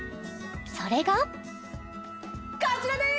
それがこちらです